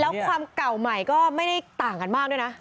แล้วความเก่าใหม่ก็ไม่ได้ต่างกันมากด้วยนะ